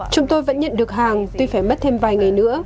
chúng tôi vẫn nhận được hàng tuy phải mất thêm vài ngày nữa